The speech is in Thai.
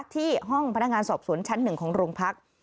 ที่ห้องพนักงานสอบสวนชั้น๑ของโรงพัก